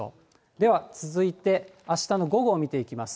では続いてあしたの午後を見ていきます。